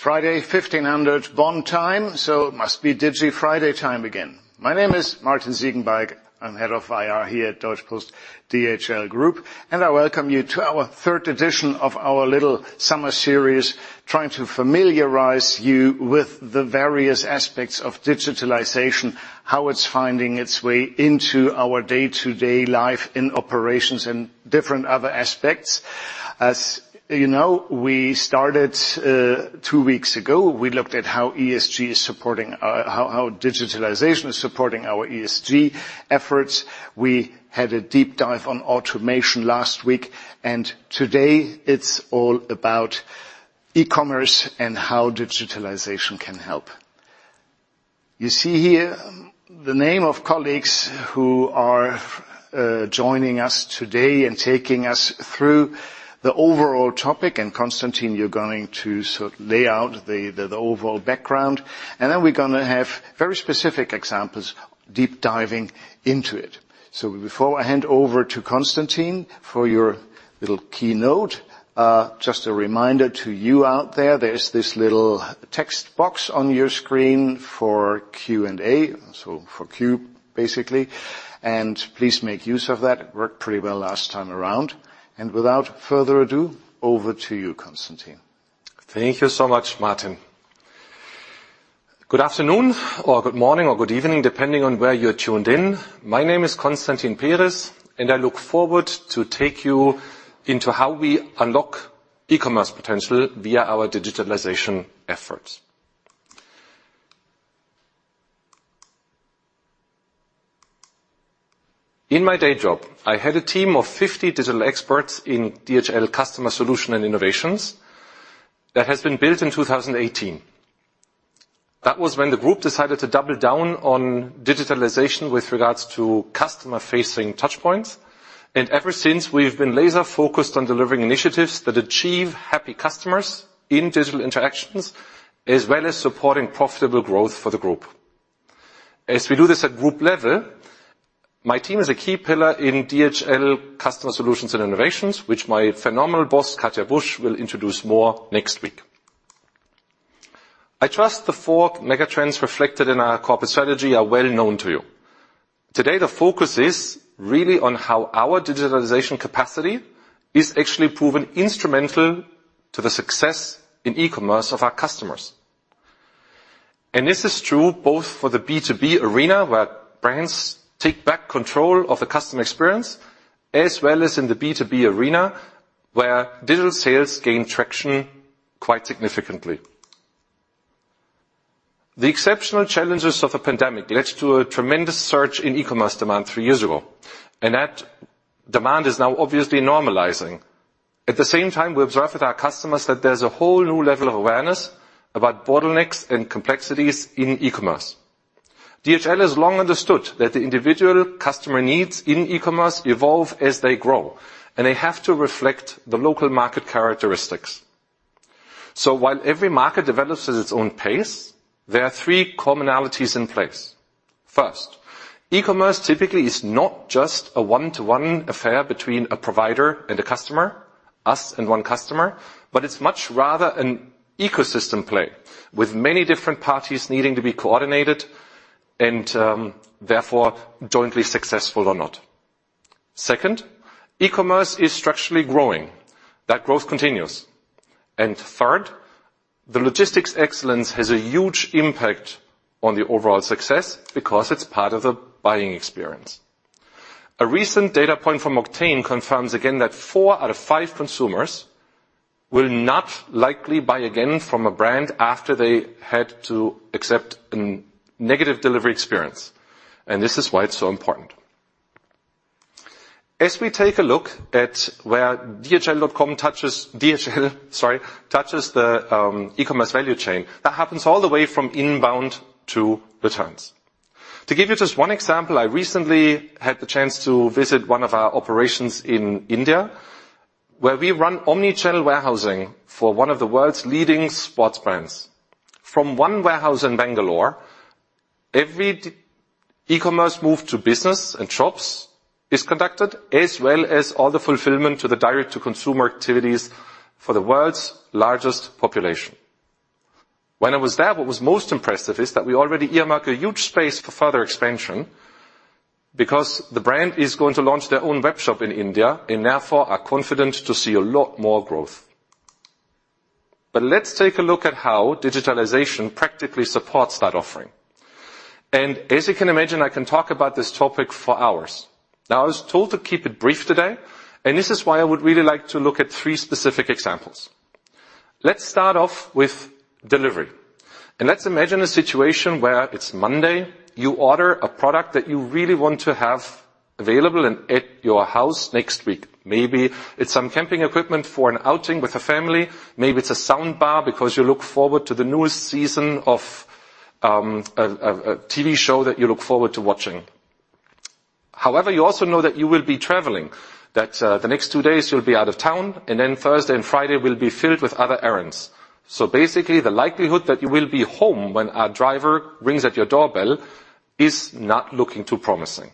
It's Friday, 15:00 Bonn time. It must be Digi Friday time again. My name is Martin Ziegenbalg. Head of IR Konstantin, you're going to sort of lay out the overall background, and then we're gonna have very specific examples, deep diving into it. Before I hand over to Konstantin for your little keynote, just a reminder to you out there's this little text box on your screen for Q&A, so for Q, basically, and please make use of that. It worked pretty well last time around. Without further ado, over to you, Konstantin. Thank you so much, Martin. Good afternoon, or good morning, or good evening, depending on where you're tuned in. My name is Konstantin Peris. I look forward to take you into how we unlock e-commerce potential via our digitalization efforts. In my day job, I head a team of 50 digital experts in DHL Customer Solutions & Innovation that has been built in 2018. That was when the Group decided to double down on digitalization with regards to customer-facing touchpoints. Ever since, we've been laser-focused on delivering initiatives that achieve happy customers in digital interactions, as well as supporting profitable growth for the Group. As we do this at group level, my team is a key pillar in DHL Customer Solutions & Innovation, which my phenomenal boss, Katja Busch, will introduce more next week. I trust the four mega trends reflected in our corporate strategy are well known to you. Today, the focus is really on how our digitalization capacity is actually proven instrumental to the success in e-commerce of our customers. This is true both for the B2B arena, where brands take back control of the customer experience, as well as in the B2B arena, where digital sales gain traction quite significantly. The exceptional challenges of the pandemic led to a tremendous surge in e-commerce demand three years ago, and that demand is now obviously normalizing. At the same time, we observed with our customers that there's a whole new level of awareness about bottlenecks and complexities in e-commerce. DHL has long understood that the individual customer needs in e-commerce evolve as they grow, and they have to reflect the local market characteristics. While every market develops at its own pace, there are three commonalities in place. First, e-commerce typically is not just a one-to-one affair between a provider and a customer, us and one customer, but it's much rather an ecosystem play, with many different parties needing to be coordinated and therefore, jointly successful or not. Second, e-commerce is structurally growing. That growth continues. Third, the logistics excellence has a huge impact on the overall success because it's part of the buying experience. A recent data point from Octane confirms again that four out of five consumers will not likely buy again from a brand after they had to accept a negative delivery experience, and this is why it's so important. As we take a look at where dhl.com touches... DHL, sorry, touches the e-commerce value chain, that happens all the way from inbound to returns. To give you just one example, I recently had the chance to visit one of our operations in India, where we run omni-channel warehousing for one of the world's leading sports brands. From one warehouse in Bangalore, every e-commerce move to business and shops is conducted, as well as all the fulfillment to the direct-to-consumer activities for the world's largest population. When I was there, what was most impressive is that we already earmarked a huge space for further expansion, because the brand is going to launch their own web shop in India, therefore are confident to see a lot more growth. Let's take a look at how digitalization practically supports that offering. As you can imagine, I can talk about this topic for hours. Now, I was told to keep it brief today, and this is why I would really like to look at three specific examples. Let's start off with delivery, and let's imagine a situation where it's Monday, you order a product that you really want to have available and at your house next week. Maybe it's some camping equipment for an outing with the family. Maybe it's a soundbar because you look forward to the newest season of a TV show that you look forward to watching. However, you also know that you will be traveling, that the next two days you'll be out of town, and then Thursday and Friday will be filled with other errands. Basically, the likelihood that you will be home when our driver rings at your doorbell is not looking too promising.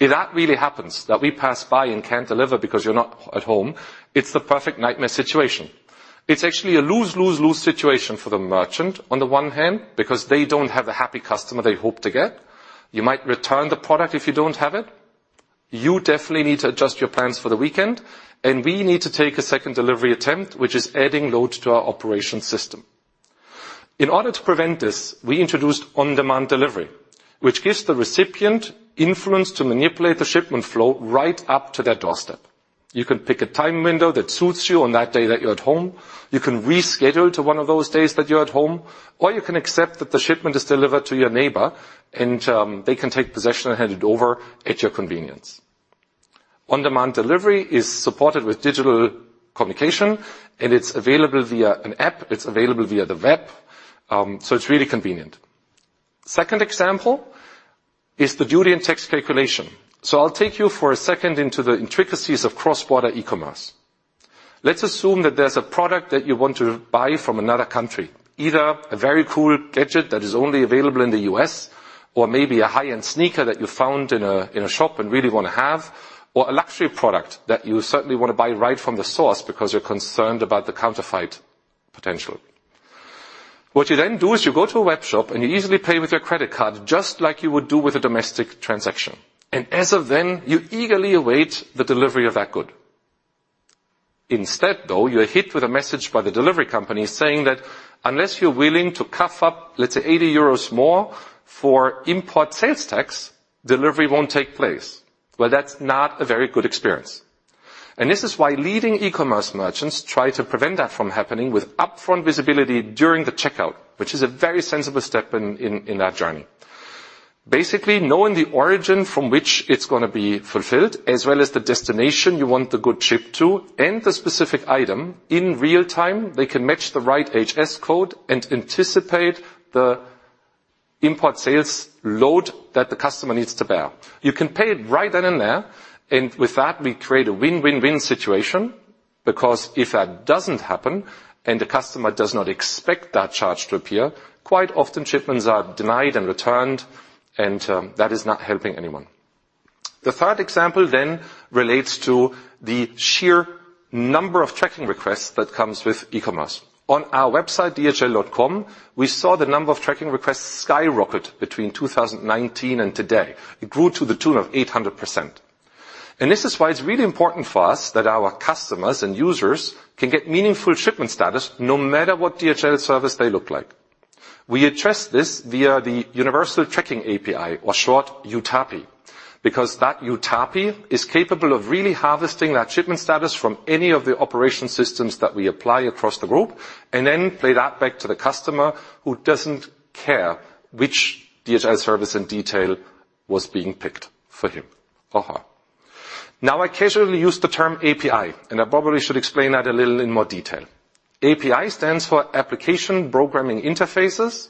If that really happens, that we pass by and can't deliver because you're not at home, it's the perfect nightmare situation. It's actually a lose-lose-lose situation for the merchant on the one hand, because they don't have the happy customer they hoped to get. You might return the product if you don't have it. You definitely need to adjust your plans for the weekend, and we need to take a second delivery attempt, which is adding load to our operation system. In order to prevent this, we introduced On Demand Delivery, which gives the recipient influence to manipulate the shipment flow right up to their doorstep. You can pick a time window that suits you on that day that you're at home, you can reschedule to one of those days that you're at home, or you can accept that the shipment is delivered to your neighbor, and they can take possession and hand it over at your convenience. On Demand Delivery is supported with digital communication, and it's available via an app, it's available via the web, so it's really convenient. Second example is the duty and tax calculation. I'll take you for a second into the intricacies of cross-border e-commerce. Let's assume that there's a product that you want to buy from another country, either a very cool gadget that is only available in the U.S., or maybe a high-end sneaker that you found in a shop and really want to have, or a luxury product that you certainly want to buy right from the source because you're concerned about the counterfeit potential. What you then do is you go to a web shop and you easily pay with your credit card, just like you would do with a domestic transaction. As of then, you eagerly await the delivery of that good. Instead, though, you are hit with a message by the delivery company saying that unless you're willing to cough up, let's say, 80 euros more for import sales tax, delivery won't take place. Well, that's not a very good experience. This is why leading e-commerce merchants try to prevent that from happening with upfront visibility during the checkout, which is a very sensible step in that journey. Basically, knowing the origin from which it's going to be fulfilled, as well as the destination you want the good shipped to, and the specific item, in real time, they can match the right HS code and anticipate the import sales load that the customer needs to bear. You can pay it right then and there, and with that, we create a win-win-win situation, because if that doesn't happen, and the customer does not expect that charge to appear, quite often shipments are denied and returned, and that is not helping anyone. The third example relates to the sheer number of tracking requests that comes with e-commerce. On our website, dhl.com, we saw the number of tracking requests skyrocket between 2019 and today. It grew to the tune of 800%. This is why it's really important for us that our customers and users can get meaningful shipment status, no matter what DHL service they look like. We address this via the Universal Tracking API, or short, UTAPI, because that UTAPI is capable of really harvesting that shipment status from any of the operation systems that we apply across the Group, and then play that back to the customer who doesn't care which DHL service and detail was being picked for him or her. I occasionally use the term API, and I probably should explain that a little in more detail. API stands for application programming interfaces,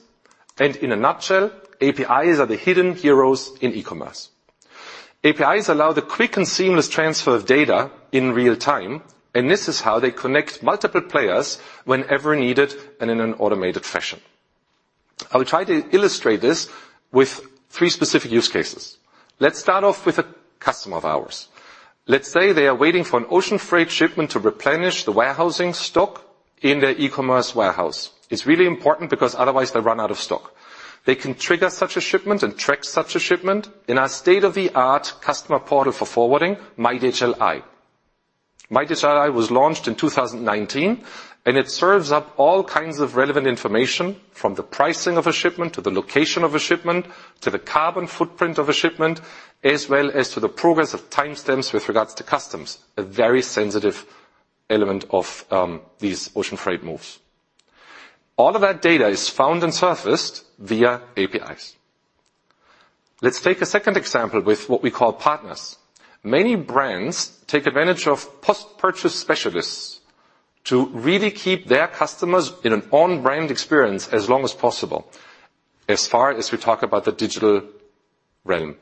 and in a nutshell, APIs are the hidden heroes in e-commerce. APIs allow the quick and seamless transfer of data in real time, and this is how they connect multiple players whenever needed and in an automated fashion. I will try to illustrate this with three specific use cases. Let's start off with a customer of ours. Let's say they are waiting for an ocean freight shipment to replenish the warehousing stock in their e-commerce warehouse. It's really important because otherwise they run out of stock. They can trigger such a shipment and track such a shipment in our state-of-the-art customer portal for forwarding, myDHLi. myDHLi was launched in 2019. It serves up all kinds of relevant information, from the pricing of a shipment to the location of a shipment, to the carbon footprint of a shipment, as well as to the progress of timestamps with regards to customs, a very sensitive element of these ocean freight moves. All of that data is found and surfaced via APIs. Let's take a second example with what we call partners. Many brands take advantage of post-purchase specialists to really keep their customers in an on-brand experience as long as possible, as far as we talk about the digital realm.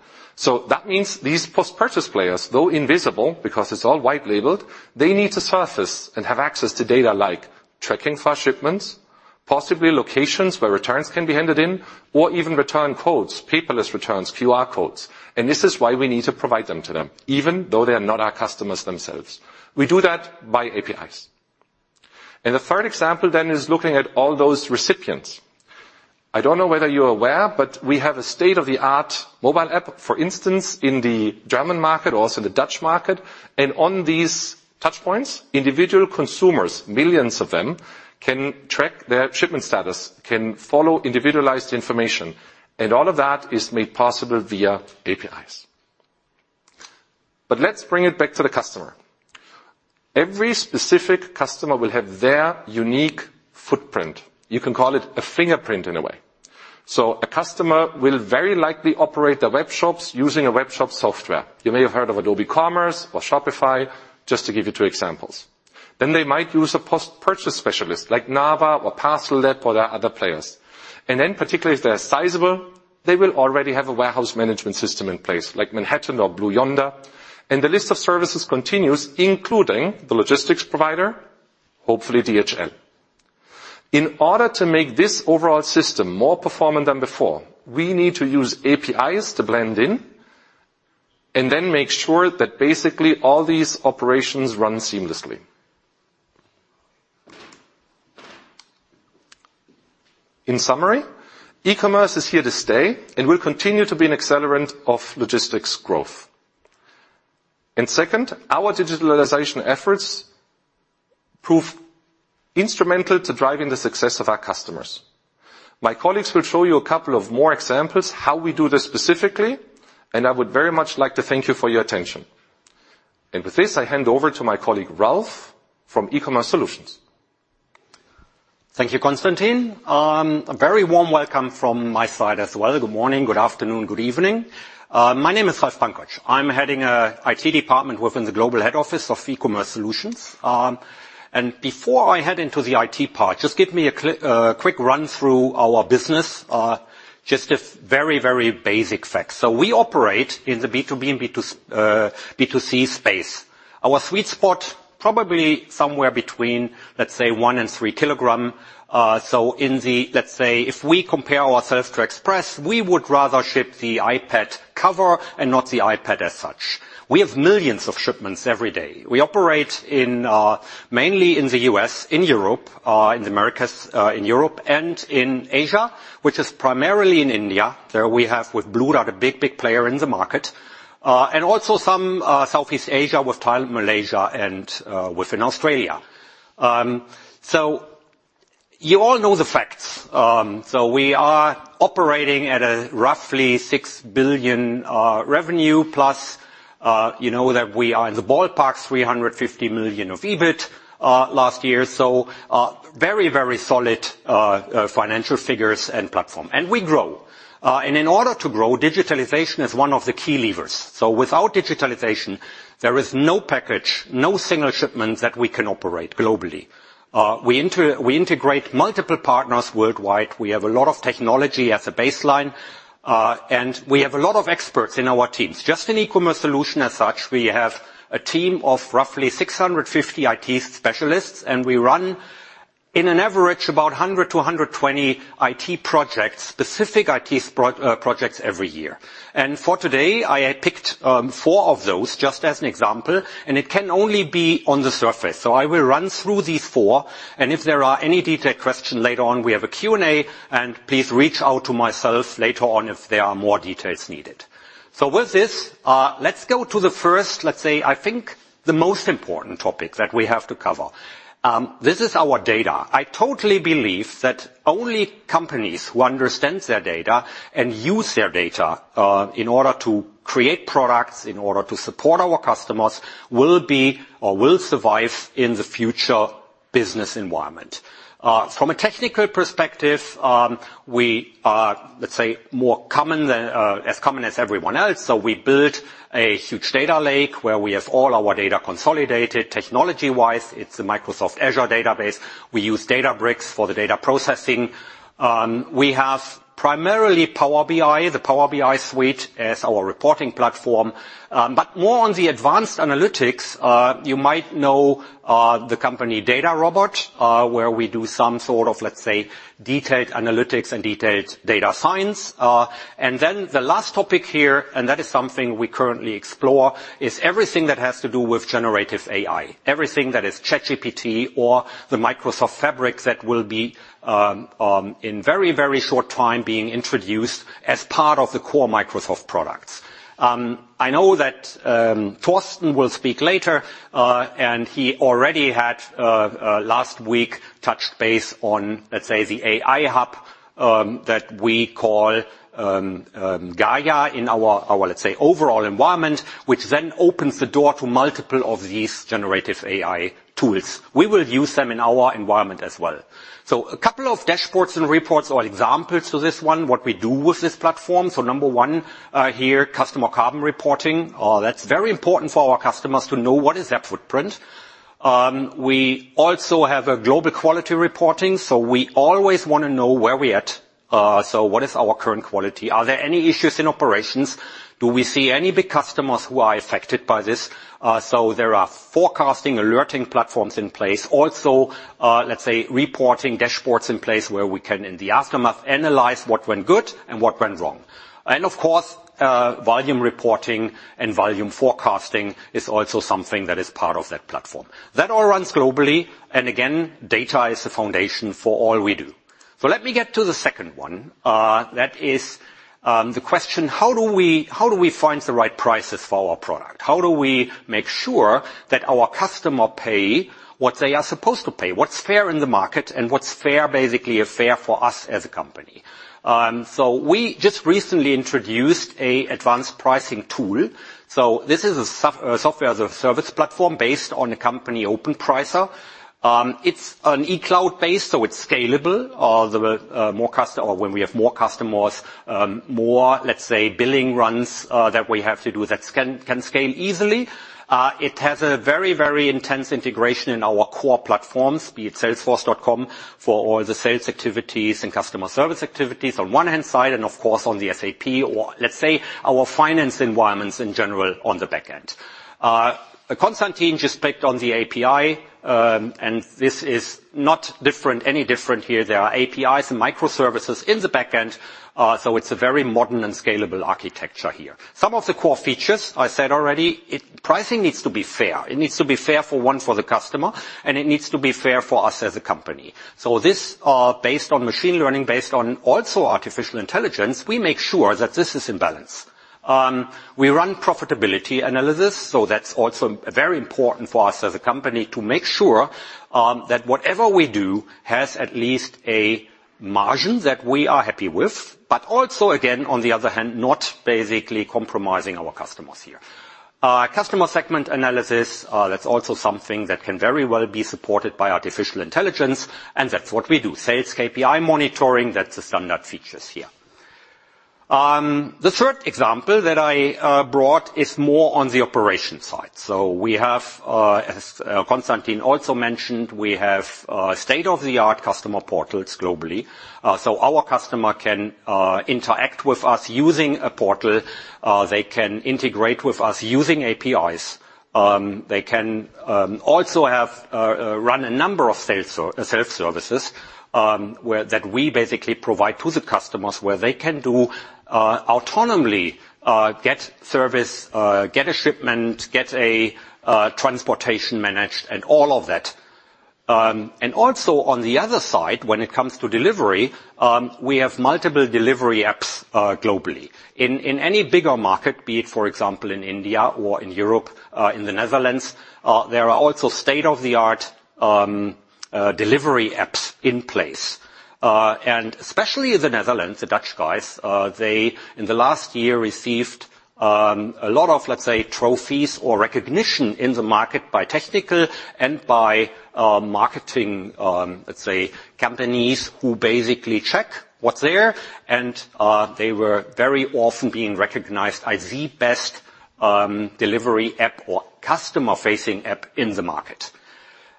That means these post-purchase players, though invisible, because it's all white labeled, they need to surface and have access to data like tracking for shipments, possibly locations where returns can be handed in, or even return codes, paperless returns, QR codes. This is why we need to provide them to them, even though they are not our customers themselves. We do that by APIs. The third example then is looking at all those recipients. I don't know whether you're aware, but we have a state-of-the-art mobile app, for instance, in the German market, also in the Dutch market. On these touchpoints, individual consumers, millions of them, can track their shipment status, can follow individualized information, and all of that is made possible via APIs. Let's bring it back to the customer. Every specific customer will have their unique footprint. You can call it a fingerprint in a way. A customer will very likely operate their web shops using a web shop software. You may have heard of Adobe Commerce or Shopify, just to give you two examples. They might use a post-purchase specialist like Narvar or parcelLab or the other players. Particularly if they are sizable, they will already have a warehouse management system in place, like Manhattan or Blue Yonder, and the list of services continues, including the logistics provider, hopefully DHL. In order to make this overall system more performant than before, we need to use APIs to blend in, and then make sure that basically all these operations run seamlessly. In summary, e-commerce is here to stay and will continue to be an accelerant of logistics growth. Second, our digitalization efforts prove instrumental to driving the success of our customers. My colleagues will show you a couple of more examples how we do this specifically, and I would very much like to thank you for your attention. With this, I hand over to my colleague, Ralf, from eCommerce Solutions. Thank you, Konstantin. A very warm welcome from my side as well. Good morning, good afternoon, good evening. My name is Ralf Pankotsch. I'm heading IT department within the global head office of eCommerce Solutions. Before I head into the IT part, just give me a quick run through our business, just a very, very basic facts. We operate in the B2B and B2C space. Our sweet spot, probably somewhere between 1 kg and 3 kg. In the, if we compare ourselves to express, we would rather ship the iPad cover and not the iPad as such. We have millions of shipments every day. We operate mainly in the U.S., in Europe, in the Americas, in Europe and in Asia, which is primarily in India. There we have with Blue Dart, a big, big player in the market, and also some Southeast Asia, with Thailand, Malaysia, and within Australia. You all know the facts. We are operating at a roughly 6 billion revenue, plus, you know, that we are in the ballpark, 350 million of EBIT last year, very, very solid financial figures and platform. We grow. In order to grow, digitalization is one of the key levers. Without digitalization, there is no package, no single shipment that we can operate globally. We integrate multiple partners worldwide. We have a lot of technology as a baseline, and we have a lot of experts in our teams. Just in eCommerce Solution as such, we have a team of roughly 650 IT specialists, and we run in an average about 100-120 IT projects, specific IT projects every year. For today, I picked four of those just as an example, and it can only be on the surface. I will run through these four, and if there are any detailed question later on, we have a Q&A, and please reach out to myself later on if there are more details needed. With this, let's go to the first, let's say, I think the most important topic that we have to cover. This is our data. I totally believe that only companies who understand their data and use their data, in order to create products, in order to support our customers, will be or will survive in the future business environment. From a technical perspective, we are, let's say, more common than, as common as everyone else. We built a huge data lake where we have all our data consolidated. Technology-wise, it's a Microsoft Azure database. We use Databricks for the data processing. We have primarily Power BI, the Power BI suite, as our reporting platform, but more on the advanced analytics, you might know, the company DataRobot, where we do some sort of, let's say, detailed analytics and detailed data science. The last topic here, and that is something we currently explore, is everything that has to do with generative AI. Everything that is ChatGPT or the Microsoft Fabric that will be in very, very short time, being introduced as part of the core Microsoft products. I know that Thorsten will speak later, and he already had last week, touched base on, let's say, the AI hub that we call GAIA in our overall environment, which then opens the door to multiple of these generative AI tools. We will use them in our environment as well. A couple of dashboards and reports or examples to this one, what we do with this platform. Number one, here, customer carbon reporting. That's very important for our customers to know what is their footprint. We also have a global quality reporting, so we always wanna know where we at. What is our current quality? Are there any issues in operations? Do we see any big customers who are affected by this? There are forecasting, alerting platforms in place. Also, let's say, reporting dashboards in place where we can, in the aftermath, analyze what went good and what went wrong. Of course, volume reporting and volume forecasting is also something that is part of that platform. That all runs globally, and again, data is the foundation for all we do. Let me get to the second one. That is the question: How do we find the right prices for our product? How do we make sure that our customer pay what they are supposed to pay, what's fair in the market, and what's fair, basically, is fair for us as a company? We just recently introduced a advanced pricing tool. This is a software-as-a-service platform based on the company, Open Pricer. It's a cloud-based, so it's scalable. The more custom or when we have more customers, more, let's say, billing runs that we have to do that can scale easily. It has a very, very intense integration in our core platforms, be it Salesforce, for all the sales activities and customer service activities on one hand side, and of course, on the SAP or, let's say, our finance environments in general on the back end. Konstantin just picked on the API, and this is not different, any different here. There are APIs and microservices in the back end, so it's a very modern and scalable architecture here. Some of the core features, I said already, it. Pricing needs to be fair. It needs to be fair for one, for the customer, and it needs to be fair for us as a company. This, based on machine learning, based on also artificial intelligence, we make sure that this is in balance. We run profitability analysis, so that's also very important for us as a company to make sure that whatever we do has at least a margin that we are happy with, but also again, on the other hand, not basically compromising our customers here. Customer segment analysis, that's also something that can very well be supported by artificial intelligence, and that's what we do. Sales KPI monitoring, that's the standard features here. The third example that I brought is more on the operation side. We have, as Konstantin also mentioned, we have state-of-the-art customer portals globally. Our customer can interact with us using a portal. They can integrate with us using APIs. They can also run a number of self-services that we basically provide to the customers, where they can do autonomously get service, get a shipment, get a transportation managed, and all of that. Also on the other side, when it comes to delivery, we have multiple delivery apps globally. In any bigger market, be it, for example, in India or in Europe, in the Netherlands, there are also state-of-the-art delivery apps in place. Especially the Netherlands, the Dutch guys, they, in the last year, received a lot of, let's say, trophies or recognition in the market by technical and by marketing, let's say, companies, who basically check what's there, they were very often being recognized as the best delivery app or customer-facing app in the market.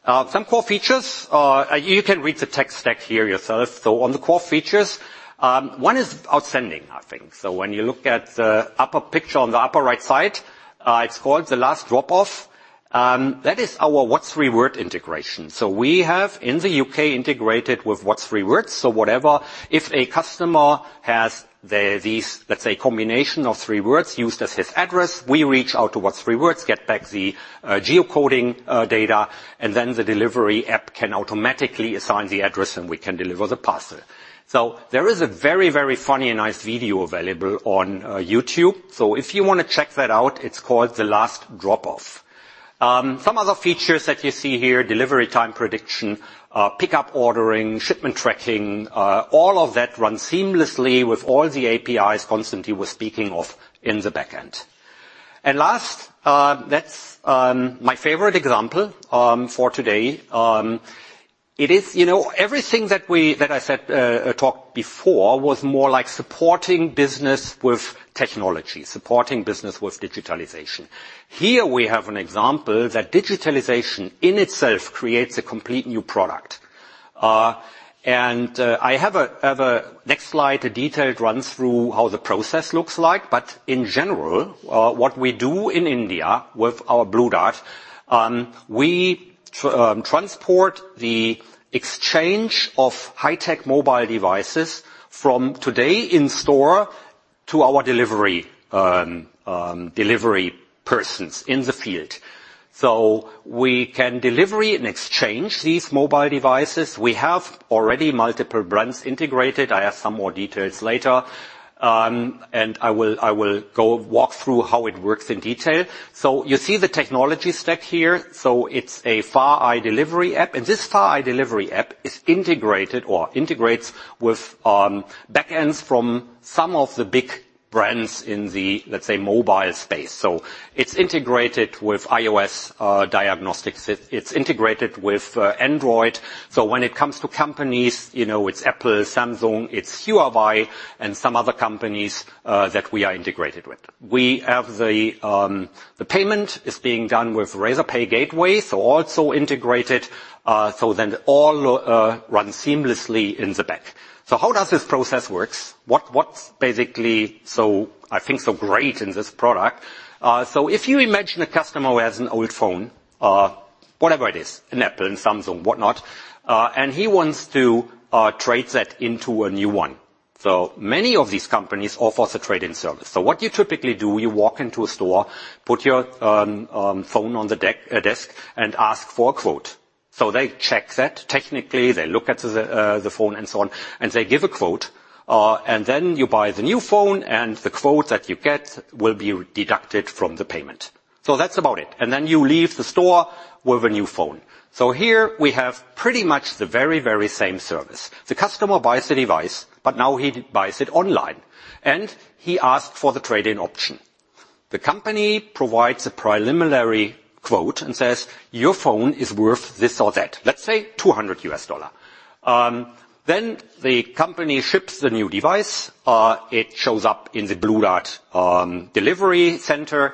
Some core features, you can read the tech stack here yourself. On the core features, one is outstanding, I think. When you look at the upper picture on the upper right side, it's called The Last Drop Off. That is our what's what3words integration. We have, in the U.K., integrated with what3words. Whatever, if a customer has the, these, let's say, combination of three words used as his address, we reach out to what3words, get back the geocoding data, then the delivery app can automatically assign the address, and we can deliver the parcel. There is a very, very funny and nice video available on YouTube. If you want to check that out, it's called The Last Drop Off. Some other features that you see here, delivery time prediction, pickup ordering, shipment tracking, all of that runs seamlessly with all the APIs Konstantin was speaking of in the back end. Last, that's my favorite example for today. It is... You know, everything that we, that I said, talked before was more like supporting business with technology, supporting business with digitalization. Here we have an example that digitalization in itself creates a complete new product. I have a next slide, a detailed run-through how the process looks like. In general, what we do in India with our Blue Dart, we transport the exchange of high-tech mobile devices from today in store to our delivery persons in the field. We can deliver and exchange these mobile devices. We have already multiple brands integrated. I have some more details later. I will walk through how it works in detail. You see the technology stack here. It's a FarEye delivery app, and this FarEye delivery app is integrated or integrates with back ends from some of the big brands in the, let's say, mobile space. It's integrated with iOS diagnostics. It's integrated with Android. When it comes to companies, you know, it's Apple, Samsung, it's Huawei and some other companies that we are integrated with. We have the payment is being done with Razorpay gateway, also integrated, all run seamlessly in the back. How does this process works? What's basically so, I think, so great in this product? If you imagine a customer who has an old phone, whatever it is, an Apple, an Samsung, whatnot, and he wants to trade that into a new one. Many of these companies offer the trade-in service. What you typically do, you walk into a store, put your phone on the deck, desk, and ask for a quote. They check that. Technically, they look at the phone and so on, they give a quote. You buy the new phone, the quote that you get will be deducted from the payment. That's about it, you leave the store with a new phone. Here we have pretty much the very same service. The customer buys the device, now he buys it online, he asks for the trade-in option. The company provides a preliminary quote and says, "Your phone is worth this or that," let's say $200. The company ships the new device. It shows up in the Blue Dart delivery center,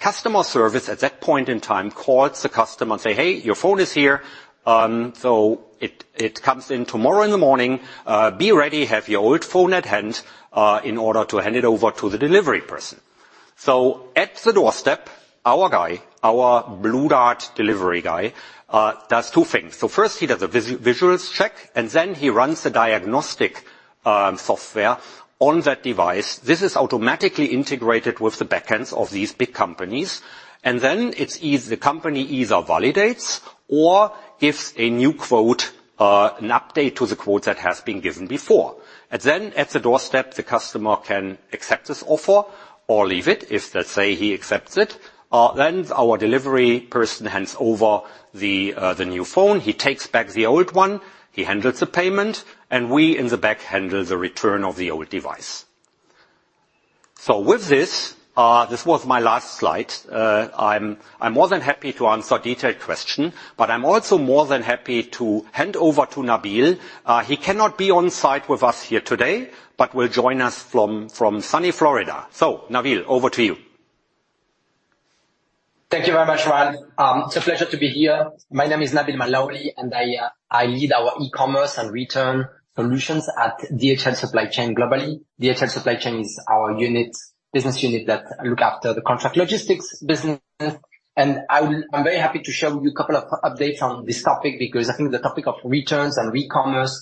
customer service, at that point in time, calls the customer and say, "Hey, your phone is here." It comes in tomorrow in the morning. Be ready, have your old phone at hand, in order to hand it over to the delivery person. At the doorstep, our guy, our Blue Dart delivery guy, does two things. First, he does a visuals check, then he runs a diagnostic software on that device. This is automatically integrated with the backends of these big companies, then it's either, the company either validates or gives a new quote, an update to the quote that has been given before. Then at the doorstep, the customer can accept this offer or leave it. If, let's say, he accepts it, then our delivery person hands over the new phone, he takes back the old one, he handles the payment, and we in the back handle the return of the old device. With this was my last slide. I'm more than happy to answer detailed question, but I'm also more than happy to hand over to Nabil. He cannot be on site with us here today, but will join us from sunny Florida. Nabil, over to you. Thank you very much, Ralf. It's a pleasure to be here. My name is Nabil Malouli, and I lead our e-commerce and return solutions at DHL Supply Chain, globally. DHL Supply Chain is our unit, business unit, that look after the contract logistics business. I'm very happy to share with you a couple of updates on this topic, because I think the topic of returns and recommerce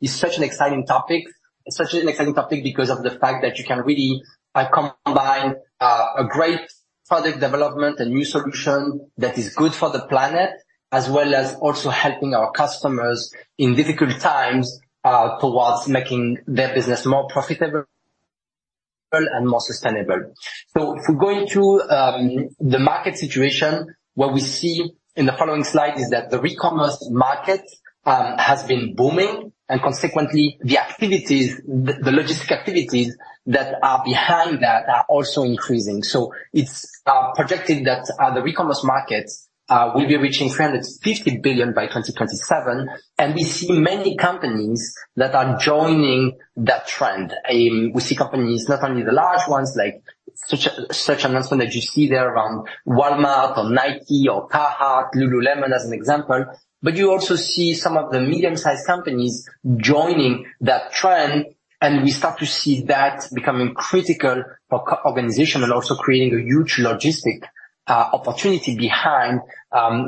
is such an exciting topic. It's such an exciting topic because of the fact that you can really combine a great product development and new solution that is good for the planet, as well as also helping our customers in difficult times, towards making their business more profitable and more sustainable. If we go into the market situation, what we see in the following slide is that the recommerce market has been booming, and consequently, the logistic activities that are behind that are also increasing. It's projected that the recommerce market will be reaching 150 billion by 2027. We see many companies that are joining that trend. We see companies, not only the large ones, like such announcement that you see there around Walmart or Nike or Carhartt, lululemon, as an example, but you also see some of the medium-sized companies joining that trend. We start to see that becoming critical for co- organization and also creating a huge logistic opportunity behind,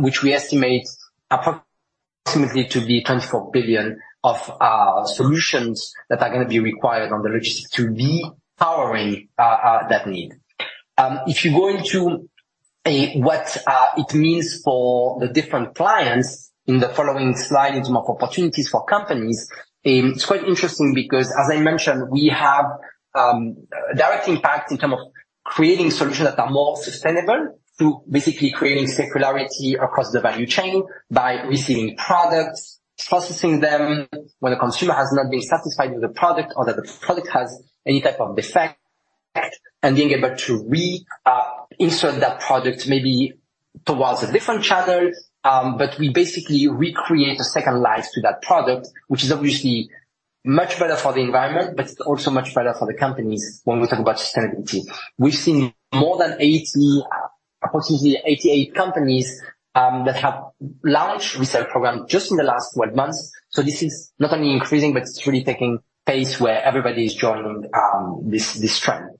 which we estimate approximately to be 24 billion of solutions that are gonna be required on the logistic to be powering that need. If you go into what it means for the different clients in the following slides, in term of opportunities for companies, it's quite interesting because as I mentioned, we have direct impact in term of creating solutions that are more sustainable, to basically creating circularity across the value chain by receiving products, processing them, when a consumer has not been satisfied with the product or that the product has any type of defect, and being able to re-insert that product maybe towards a different channel. We basically recreate a second life to that product, which is obviously much better for the environment, but it's also much better for the companies when we talk about sustainability. We've seen more than 80, approximately 88 companies that have launched resale program just in the last 12 months. This is not only increasing, but it's really taking pace where everybody is joining this trend.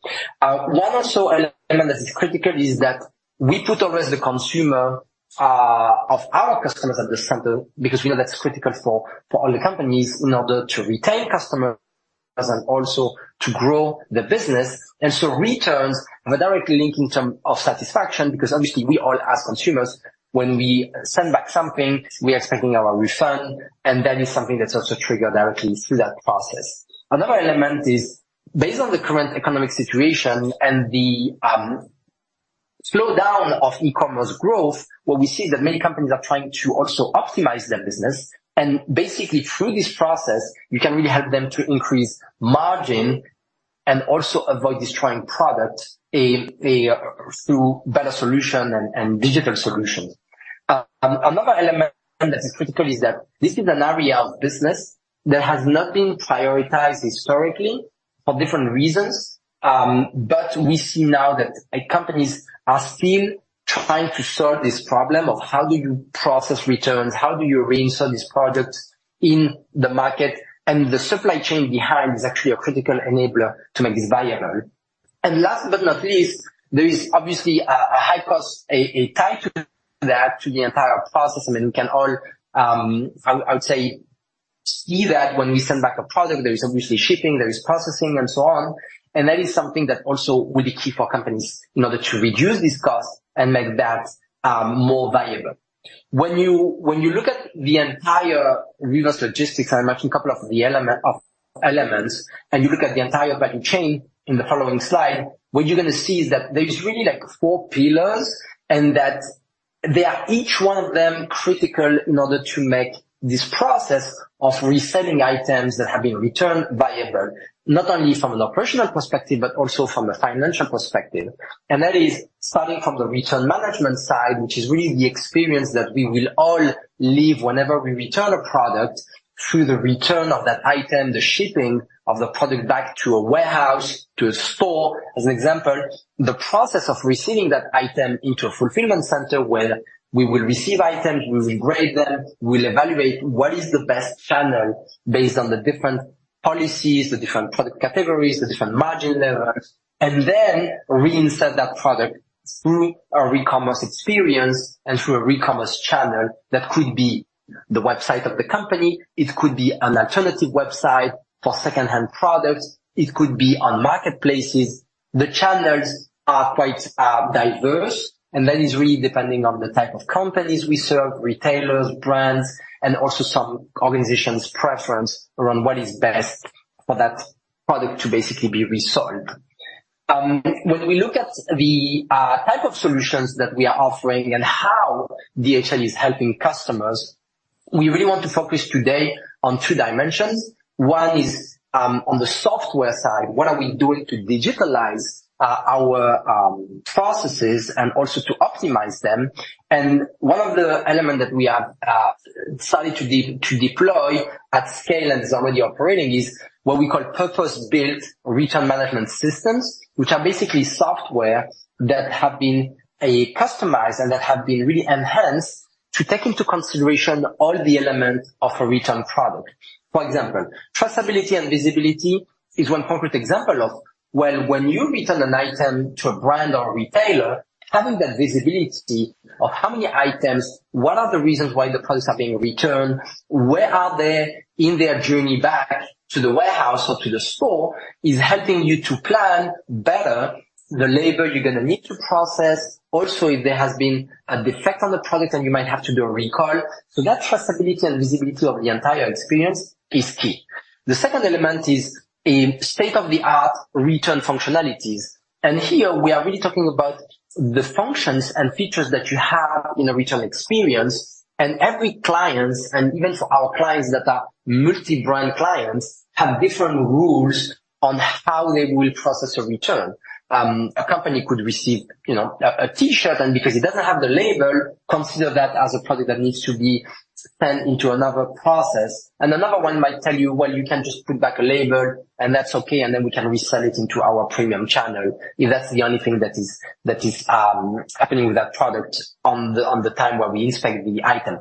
One also element that is critical is that we put always the consumer of our customers at the center, because we know that's critical for all the companies in order to retain customers and also to grow the business. Returns have a direct link in term of satisfaction, because obviously we all, as consumers, when we send back something, we are expecting our refund, and that is something that's also triggered directly through that process. Another element is based on the current economic situation and the slowdown of e-commerce growth, where we see that many companies are trying to also optimize their business. Basically through this process, we can really help them to increase margin and also avoid destroying products through better solution and digital solutions. Another element that is critical is that this is an area of business that has not been prioritized historically for different reasons, but we see now that companies are still trying to solve this problem of: How do you process returns? How do you reinsert these products in the market? The supply chain behind is actually a critical enabler to make this viable. Last but not least, there is obviously a high cost, a tie to that, to the entire process. I mean, we can all, I would say, see that when we send back a product, there is obviously shipping, there is processing and so on. That is something that also will be key for companies in order to reduce this cost and make that more valuable. When you look at the entire reverse logistics, I mentioned a couple of the elements, and you look at the entire value chain in the following slide, what you're gonna see is that there is really, like, four pillars, and that they are each one of them critical in order to make this process of reselling items that have been returned viable, not only from an operational perspective, but also from a financial perspective. That is starting from the return management side, which is really the experience that we will all live whenever we return a product through the return of that item, the shipping of the product back to a warehouse, to a store. As an example, the process of receiving that item into a fulfillment center, where we will receive items, we will grade them, we'll evaluate what is the best channel based on the different policies, the different product categories, the different margin levels, and then reinsert that product through our recommerce experience and through a recommerce channel that could be the website of the company, it could be an alternative website for secondhand products, it could be on marketplaces. The channels are quite diverse, and that is really depending on the type of companies we serve, retailers, brands, and also some organizations' preference around what is best for that product to basically be resold. When we look at the type of solutions that we are offering and how DHL is helping customers, we really want to focus today on two dimensions. One is, on the software side, what are we doing to digitalize our processes and also to optimize them? One of the elements that we have started to deploy at scale and is already operating, is what we call purpose-built return management systems. Which are basically software that have been customized and that have been really enhanced to take into consideration all the elements of a return product. For example, traceability and visibility is one concrete example of, well, when you return an item to a brand or a retailer, having that visibility of how many items, what are the reasons why the products are being returned, where are they in their journey back to the warehouse or to the store, is helping you to plan better the labor you're gonna need to process. If there has been a defect on the product then you might have to do a recall. That traceability and visibility of the entire experience is key. The second element is a state-of-the-art return functionalities. Here we are really talking about the functions and features that you have in a return experience. Every clients, and even for our clients that are multi-brand clients, have different rules on how they will process a return. A company could receive, you know, a T-shirt, and because it doesn't have the label, consider that as a product that needs to be sent into another process. Another one might tell you, "Well, you can just put back a label, and that's okay, and then we can resell it into our premium channel, if that's the only thing that is happening with that product on the time when we inspect the item."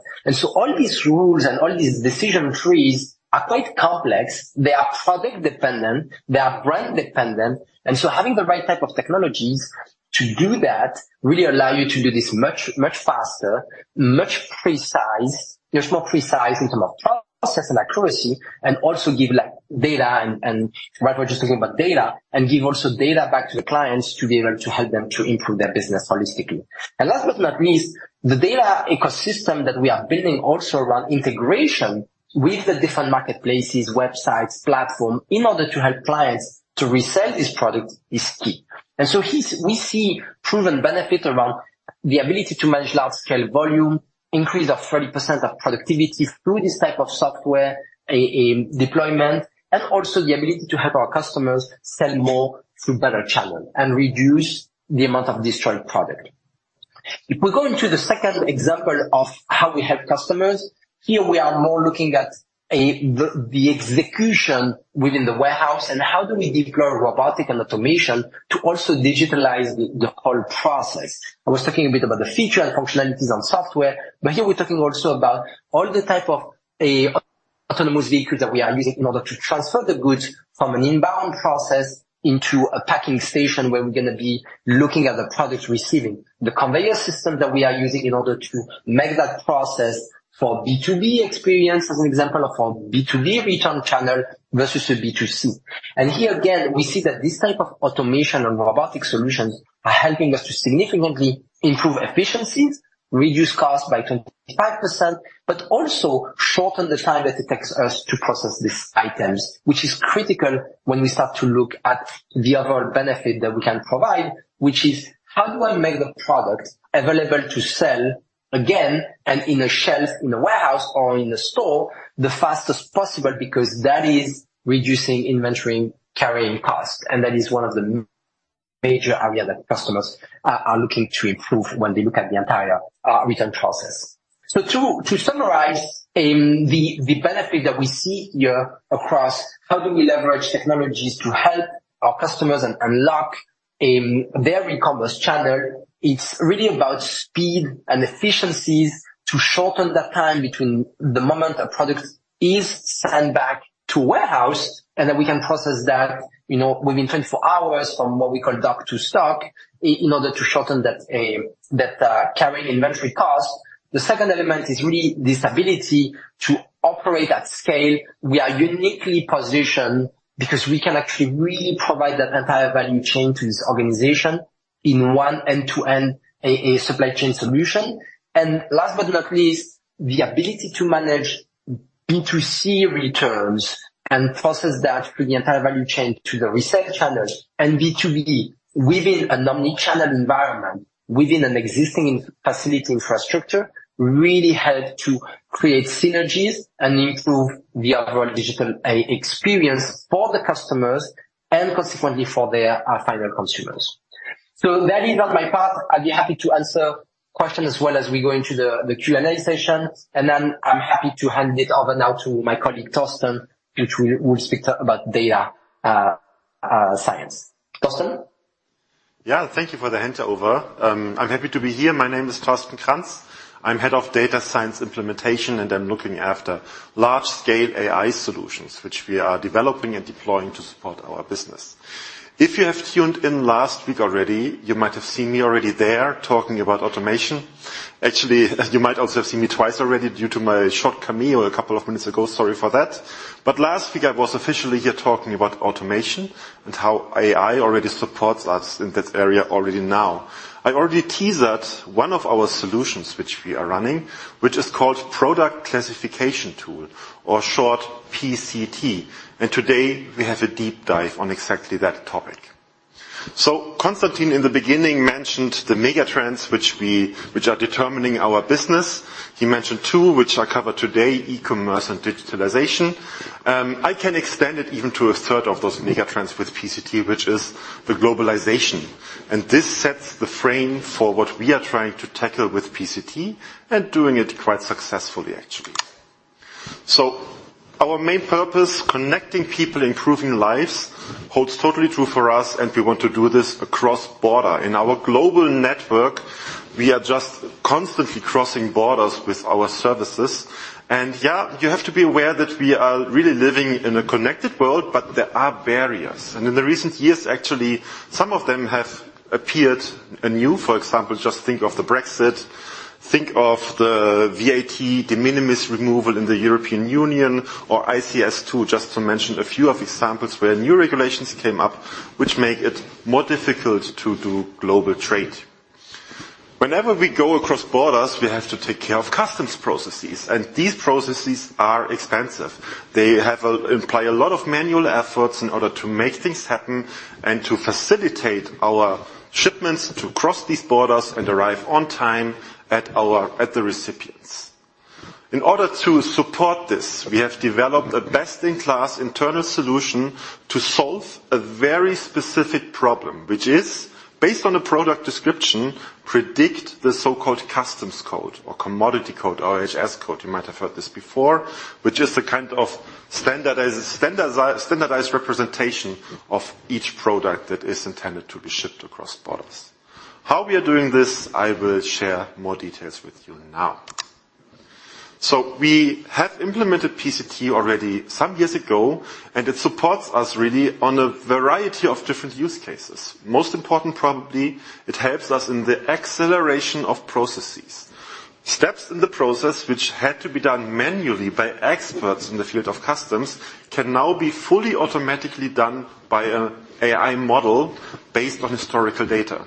All these rules and all these decision trees are quite complex. They are product dependent, they are brand dependent. Having the right type of technologies to do that, really allow you to do this much faster, much precise. There's more precise in terms of process and accuracy, and also give, like, data and right, we're just talking about data, and give also data back to the clients to be able to help them to improve their business holistically. Last but not least, the data ecosystem that we are building also around integration with the different marketplaces, websites, platform, in order to help clients to resell this product, is key. Here we see proven benefit around the ability to manage large scale volume, increase of 30% of productivity through this type of software, a deployment, and also the ability to help our customers sell more through better channel and reduce the amount of destroyed product. If we go into the second example of how we help customers, here we are more looking at the execution within the warehouse and how do we deploy robotic and automation to also digitalize the whole process. I was talking a bit about the feature and functionalities on software, but here we're talking also about all the type of autonomous vehicles that we are using in order to transfer the goods from an inbound process into a packing station, where we're gonna be looking at the products receiving. The conveyor system that we are using in order to make that process for B2B experience, as an example, of a B2B return channel versus a B2C. Here again, we see that this type of automation and robotic solutions are helping us to significantly improve efficiencies, reduce costs by 25%, but also shorten the time that it takes us to process these items. Which is critical when we start to look at the overall benefit that we can provide, which is: how do I make the product available to sell again, and in a shelf, in a warehouse or in a store, the fastest possible? That is reducing inventory carrying costs, and that is one of the major area that customers are looking to improve when they look at the entire return process. To summarize, the benefit that we see here across how do we leverage technologies to help our customers and unlock their e-commerce channel, it's really about speed and efficiencies to shorten the time between the moment a product is sent back to warehouse, and then we can process that, you know, within 24 hours from what we call dock to stock, in order to shorten that carrying inventory cost. The second element is really this ability to operate at scale. We are uniquely positioned because we can actually really provide that entire value chain to this organization in one end-to-end a supply chain solution. Last but not least, the ability to manage B2C returns and process that through the entire value chain to the resale channels and B2B within an omni-channel environment, within an existing in facility infrastructure, really help to create synergies and improve the overall digital experience for the customers and consequently for their final consumers. That is on my part. I'd be happy to answer questions as well as we go into the Q&A session, and then I'm happy to hand it over now to my colleague, Thorsten, which will speak to about data science. Thorsten? Yeah, thank you for the hand over. I'm happy to be here. My name is Thorsten Kranz. I'm Head of Data Science Implementation, I'm looking after large-scale AI solutions, which we are developing and deploying to support our business. If you have tuned in last week already, you might have seen me already there talking about automation. Actually, you might also have seen me twice already due to my short cameo a couple of minutes ago. Sorry for that. Last week, I was officially here talking about automation and how AI already supports us in that area already now. I already teased that one of our solutions which we are running, which is called Product Classification Tool or short PCT. Today we have a deep dive on exactly that topic. Konstantin, in the beginning, mentioned the mega trends, which are determining our business. He mentioned two, which I cover today, e-commerce and digitalization. I can extend it even to a third of those mega trends with PCT, which is the globalization, and this sets the frame for what we are trying to tackle with PCT and doing it quite successfully, actually. Our main purpose, connecting people, improving lives, holds totally true for us, and we want to do this across border. In our global network, we are just constantly crossing borders with our services. You have to be aware that we are really living in a connected world, but there are barriers, and in the recent years, actually, some of them have appeared anew. For example, just think of the Brexit, think of the VAT, de minimis removal in the European Union or ICS2, just to mention a few of examples where new regulations came up, which make it more difficult to do global trade. Whenever we go across borders, we have to take care of customs processes, and these processes are expensive. They employ a lot of manual efforts in order to make things happen and to facilitate our shipments to cross these borders and arrive on time at our, at the recipients. In order to support this, we have developed a best-in-class internal solution to solve a very specific problem, which is, based on a product description, predict the so-called customs code or commodity code or HS code. You might have heard this before, which is a kind of standardized representation of each product that is intended to be shipped across borders. How we are doing this, I will share more details with you now. We have implemented PCT already some years ago, and it supports us really on a variety of different use cases. Most important, probably, it helps us in the acceleration of processes. Steps in the process, which had to be done manually by experts in the field of customs, can now be fully automatically done by a AI model based on historical data.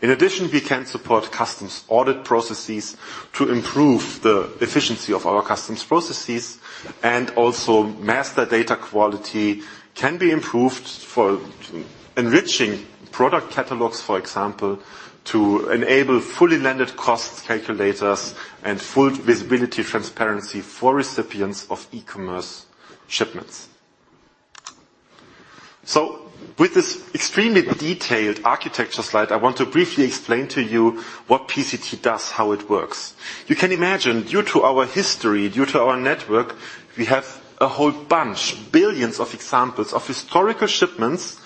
In addition, we can support customs audit processes to improve the efficiency of our customs processes, and also master data quality can be improved for enriching product catalogs, for example, to enable fully landed cost calculators and full visibility, transparency for recipients of e-commerce shipments. With this extremely detailed architecture slide, I want to briefly explain to you what PCT does, how it works. You can imagine, due to our history, due to our network, we have a whole bunch, billions of examples of historical shipments,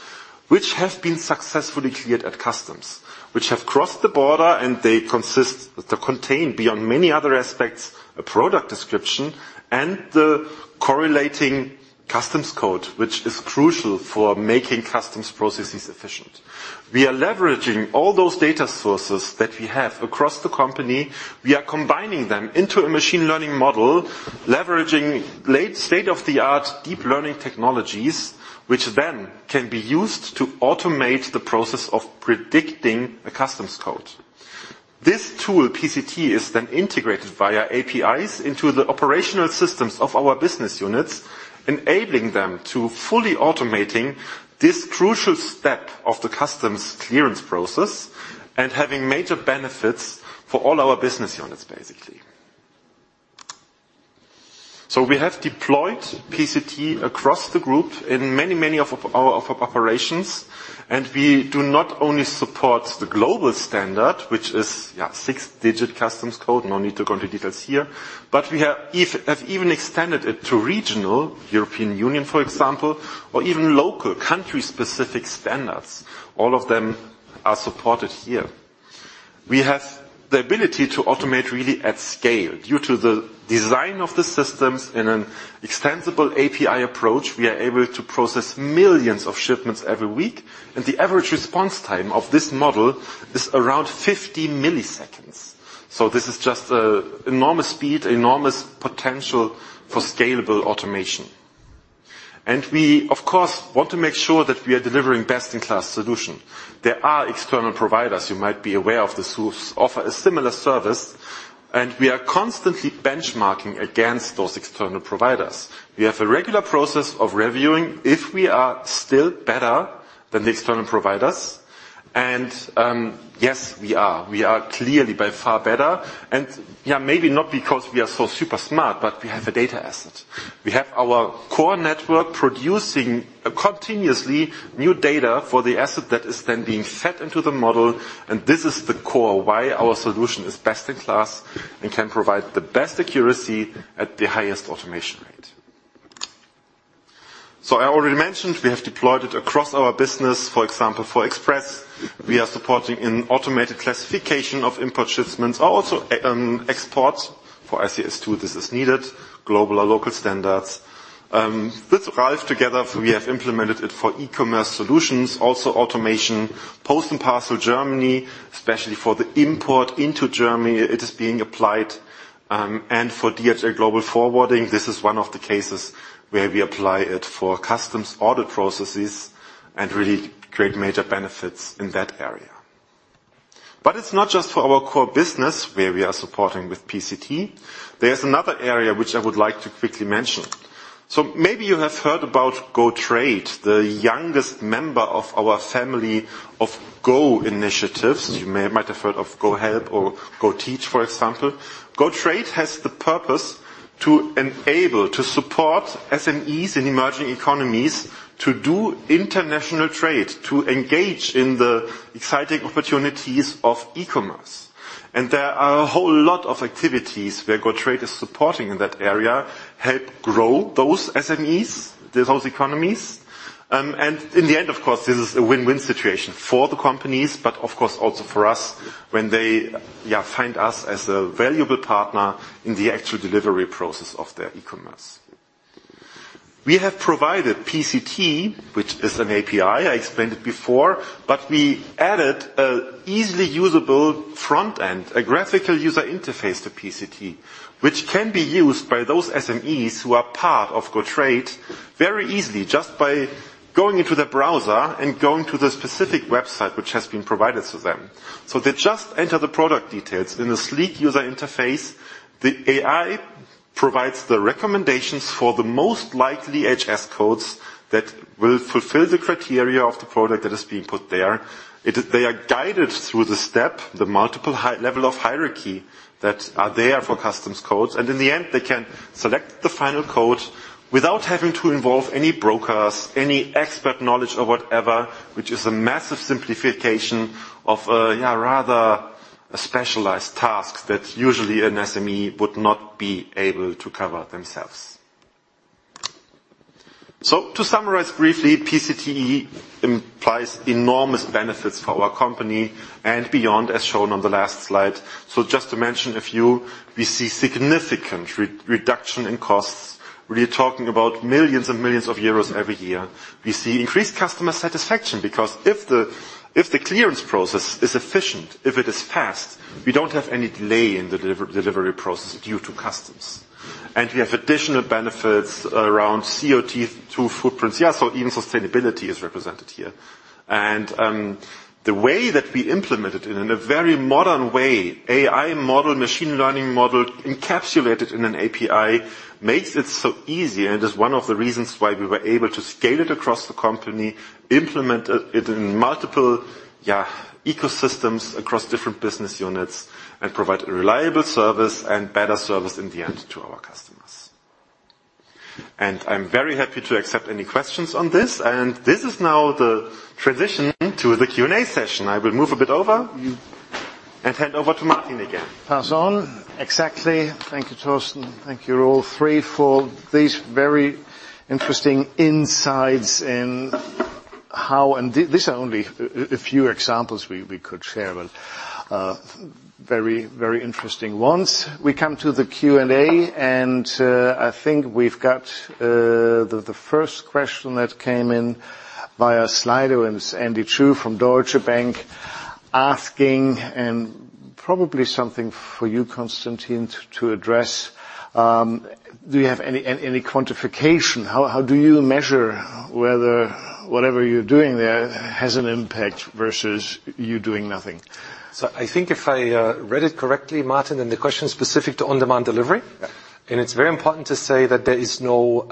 which have been successfully cleared at customs, which have crossed the border, and they contain, beyond many other aspects, a product description and the correlating customs code, which is crucial for making customs processes efficient. We are leveraging all those data sources that we have across the company. We are combining them into a machine learning model, leveraging latest state-of-the-art deep learning technologies, which then can be used to automate the process of predicting a customs code. This tool, PCT, is then integrated via APIs into the operational systems of our business units, enabling them to fully automating this crucial step of the customs clearance process and having major benefits for all our business units, basically. We have deployed PCT across the Group in many of our operations, and we do not only support the global standard, which is, yeah, six-digit customs code. No need to go into details here, we have even extended it to regional, European Union, for example, or even local country-specific standards. All of them are supported here. We have the ability to automate really at scale. Due to the design of the systems in an extensible API approach, we are able to process millions of shipments every week, and the average response time of this model is around 50 milliseconds. This is just a enormous speed, enormous potential for scalable automation. We, of course, want to make sure that we are delivering best-in-class solution. There are external providers you might be aware of this, who offer a similar service, and we are constantly benchmarking against those external providers. We have a regular process of reviewing if we are still better than the external providers, and, yes, we are. We are clearly by far better, and, maybe not because we are so super smart, but we have a data asset. We have our core network producing a continuously new data for the asset that is then being fed into the model, and this is the core why our solution is best-in-class and can provide the best accuracy at the highest automation rate. I already mentioned, we have deployed it across our business. For example, for express, we are supporting in automated classification of import shipments, or also, exports. For ICS2, this is needed, global or local standards. This arrives together, we have implemented it for eCommerce Solutions, also automation, post and parcel Germany, especially for the import into Germany, it is being applied. For DHL Global Forwarding, this is one of the cases where we apply it for customs audit processes, and really create major benefits in that area. It's not just for our core business where we are supporting with PCT. There's another area which I would like to quickly mention. Maybe you have heard about GoTrade, the youngest member of our family of Go initiatives. You might have heard of GoHelp or GoTeach, for example. GoTrade has the purpose to enable, to support SMEs in emerging economies to do international trade, to engage in the exciting opportunities of e-commerce. There are a whole lot of activities where GoTrade is supporting in that area, help grow those SMEs, those economies. In the end, of course, this is a win-win situation for the companies, but of course, also for us, when they, yeah, find us as a valuable partner in the actual delivery process of their e-commerce. We have provided PCT, which is an API, I explained it before, but we added a easily usable front end, a graphical user interface to PCT, which can be used by those SMEs who are part of GoTrade very easily, just by going into the browser and going to the specific website, which has been provided to them. They just enter the product details in a sleek user interface. The AI provides the recommendations for the most likely HS codes that will fulfill the criteria of the product that is being put there. They are guided through the step, the multiple level of hierarchy that are there for customs codes, and in the end, they can select the final code without having to involve any brokers, any expert knowledge or whatever, which is a massive simplification of a, yeah, rather specialized task that usually an SME would not be able to cover themselves. To summarize briefly, PCT implies enormous benefits for our company and beyond, as shown on the last slide. Just to mention a few, we see significant reduction in costs. We are talking about millions and millions of EUR every year. We see increased customer satisfaction, because if the clearance process is efficient, if it is fast, we don't have any delay in the delivery process due to customs. We have additional benefits around CO2 footprints. Yeah, even sustainability is represented here. The way that we implement it in a very modern way, AI model, machine learning model, encapsulated in an API, makes it so easy, and is one of the reasons why we were able to scale it across the company, implement it in multiple, yeah, ecosystems across different business units, and provide a reliable service and better service in the end to our customers. I'm very happy to accept any questions on this, and this is now the transition to the Q&A session. I will move a bit over and hand over to Martin again. Pass on. Exactly. Thank you, Thorsten. Thank you all three for these very interesting insights in how... These are only a few examples we could share, but very, very interesting ones. We come to the Q&A, and I think we've got the first question that came in via Slido, and it's Andy Chu from Deutsche Bank asking, and probably something for you, Konstantin, to address. Do you have any quantification? How do you measure whether whatever you're doing there has an impact versus you doing nothing? I think if I read it correctly, Martin, the question is specific to On Demand Delivery? Yeah. It's very important to say that there is no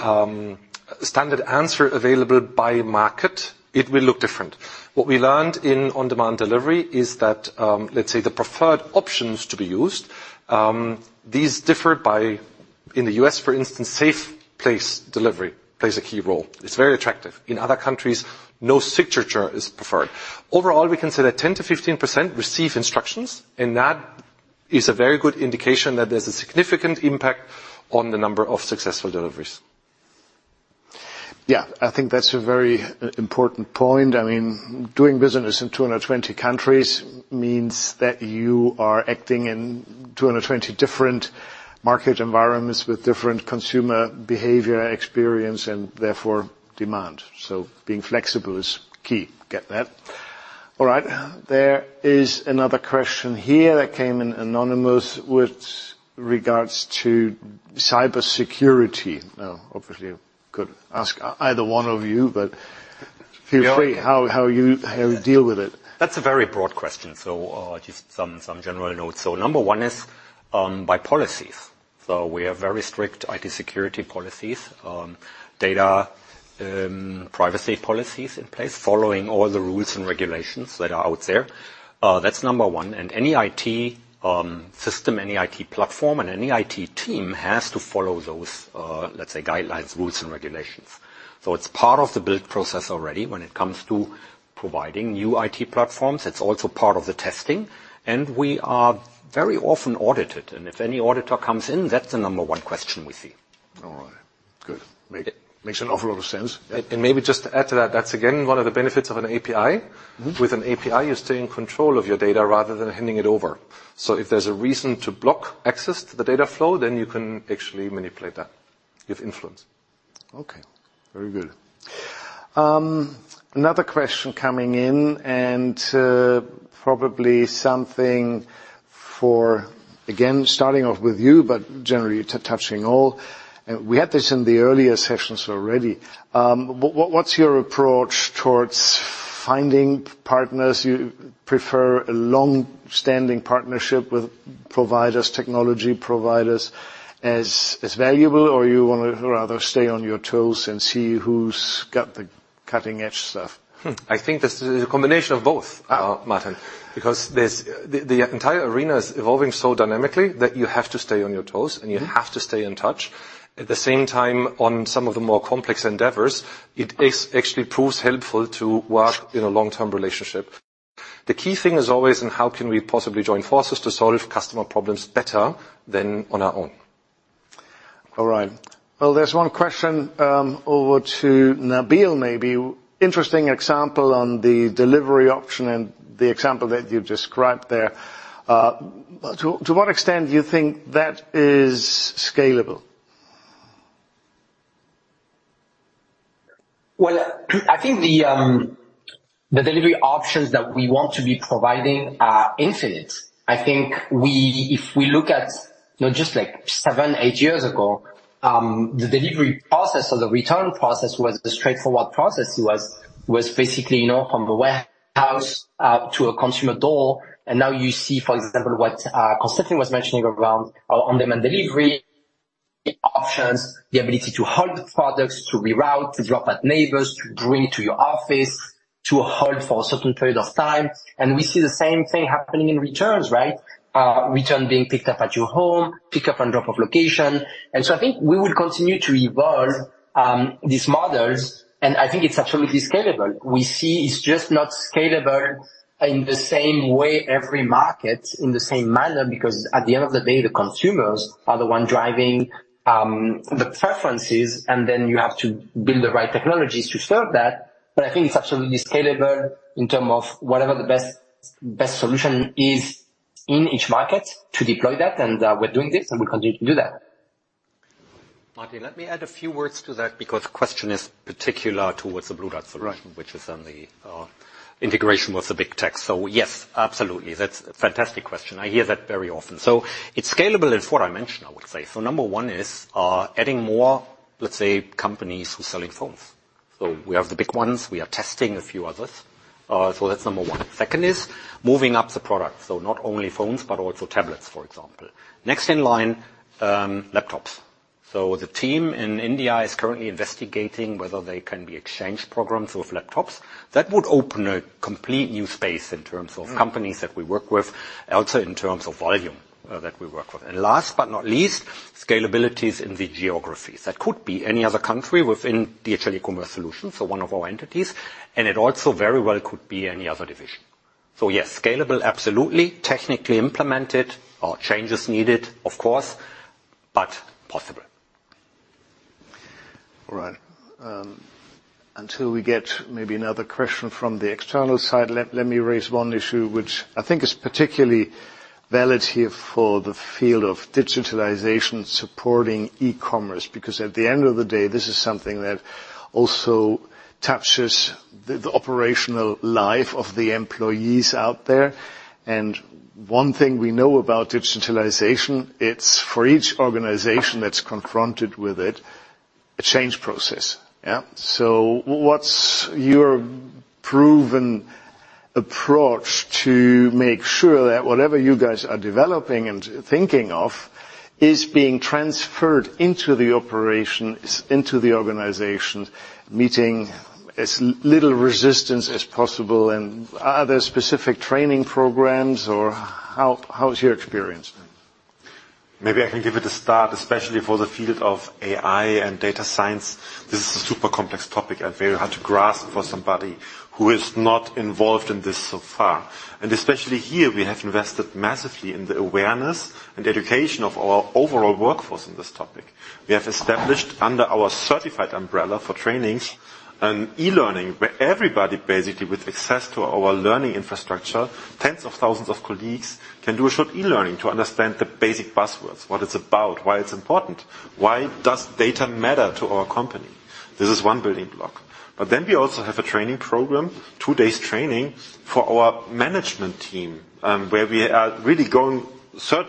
standard answer available by market. It will look different. What we learned in On Demand Delivery is that, let's say, the preferred options to be used, these differ by. In the U.S., for instance, safe place delivery plays a key role. It's very attractive. In other countries, no signature is preferred. Overall, we can say that 10%-15% receive instructions, and that is a very good indication that there's a significant impact on the number of successful deliveries. I think that's a very important point. I mean, doing business in 220 countries means that you are acting in 220 different market environments with different consumer behavior, experience, and therefore, demand. Being flexible is key. Get that. All right. There is another question here that came in anonymous with regards to cybersecurity. Now, obviously, I could ask either one of you, but feel free, how you deal with it? That's a very broad question, just some general notes. Number one is by policies. We have very strict IT security policies, data privacy policies in place, following all the rules and regulations that are out there. That's number one, and any IT system, any IT platform, and any IT team has to follow those, let's say, guidelines, rules, and regulations. It's part of the build process already when it comes to providing new IT platforms. It's also part of the testing, and we are very often audited, and if any auditor comes in, that's the number one question we see. All right. Good. Makes an awful lot of sense. Maybe just to add to that's again, one of the benefits of an API. Mm-hmm. With an API, you stay in control of your data rather than handing it over. If there's a reason to block access to the data flow, you can actually manipulate that. You have influence. Okay, very good. Another question coming in, and, probably something for, again, starting off with you, but generally touching all. We had this in the earlier sessions already. What's your approach towards finding partners? You prefer a long-standing partnership with providers, technology providers, as valuable, or you wanna rather stay on your toes and see who's got the cutting-edge stuff? I think this is a combination of both, Martin, because the entire arena is evolving so dynamically that you have to stay on your toes. Mm. You have to stay in touch. At the same time, on some of the more complex endeavors, it actually proves helpful to work in a long-term relationship. The key thing is always in how can we possibly join forces to solve customer problems better than on our own? All right. Well, there's one question over to Nabil, maybe. Interesting example on the delivery option and the example that you've described there. To what extent do you think that is scalable? I think the delivery options that we want to be providing are infinite. If we look at, you know, just like seven, eight years ago, the delivery process or the return process was a straightforward process. It was basically, you know, from the warehouse to a consumer door. Now you see, for example, what Konstantin was mentioning around on-demand delivery options, the ability to hold products, to reroute, to drop at neighbors, to bring to your office, to hold for a certain period of time. We see the same thing happening in returns, right? Return being picked up at your home, pick up and drop off location. I think we will continue to evolve these models, and I think it's absolutely scalable. We see it's just not scalable in the same way every market, in the same manner, because at the end of the day, the consumers are the ones driving the preferences, and then you have to build the right technologies to serve that. I think it's absolutely scalable in terms of whatever the best solution is in each market to deploy that. We're doing this, and we continue to do that. Martin, let me add a few words to that, because the question is particular towards the Blue Dart solution. Right. which is on the integration with the big tech. Yes, absolutely. That's a fantastic question. I hear that very often. It's scalable in what I mentioned, I would say. Number one is adding more, let's say, companies who's selling phones. We have the big ones. We are testing a few others. That's number one. Second is moving up the product, so not only phones, but also tablets, for example. Next in line, laptops. The team in India is currently investigating whether there can be exchange programs with laptops. That would open a complete new space in terms of- Mm... companies that we work with, also in terms of volume, that we work with. Last but not least, scalabilities in the geographies. That could be any other country within DHL eCommerce Solutions, so one of our entities, and it also very well could be any other division. Yes, scalable, absolutely. Technically implemented, changes needed, of course, but possible. All right. Until we get maybe another question from the external side, let me raise one issue, which I think is particularly valid here for the field of digitalization supporting e-commerce, because at the end of the day, this is something that also touches the operational life of the employees out there. One thing we know about digitalization, it's for each organization that's confronted with it, a change process. Yeah? What's your proven approach to make sure that whatever you guys are developing and thinking of is being transferred into the operations, into the organization, meeting as little resistance as possible? Are there specific training programs, or how is your experience? Maybe I can give it a start, especially for the field of AI and data science. This is a super complex topic and very hard to grasp for somebody who is not involved in this so far. Especially here, we have invested massively in the awareness and education of our overall workforce in this topic. We have established under our certified umbrella for trainings, an e-learning, where everybody basically with access to our learning infrastructure, tens of thousands of colleagues, can do a short e-learning to understand the basic buzzwords, what it's about, why it's important. Why does data matter to our company? This is one building block. We also have a training program, two days' training for our management team, where we are really going